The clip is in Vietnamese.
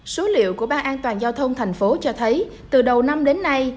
số liệu của ban an toàn giao thông tp hcm cho thấy từ đầu năm đến nay